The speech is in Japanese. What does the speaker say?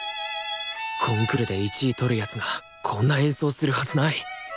コンクールで１位取る奴がこんな演奏するはずない。